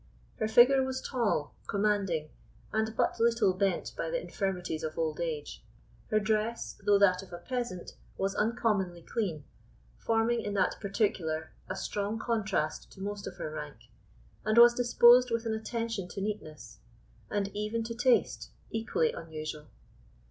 Her figure was tall, commanding, and but little bent by the infirmities of old age. Her dress, though that of a peasant, was uncommonly clean, forming in that particular a strong contrast to most of her rank, and was disposed with an attention to neatness, and even to taste, equally unusual.